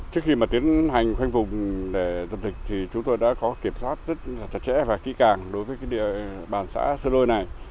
trước khi mà tiến hành khoanh vùng để dập dịch thì chúng tôi đã có kiểm soát rất là chặt chẽ và kỹ càng đối với địa bàn xã sơn lôi này